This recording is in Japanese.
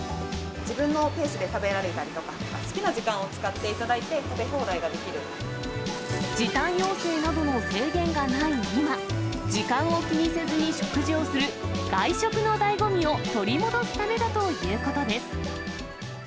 自分のペースで食べられたりとか、好きな時間を使っていただいて、時短要請などの制限がない今、時間を気にせずに食事をする、外食のだいご味を取り戻すためだということです。